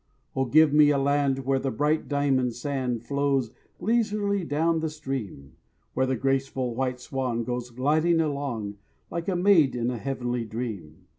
Oh, give me a land where the bright diamond sand Flows leisurely down the stream; Where the graceful white swan goes gliding along Like a maid in a heavenly dream.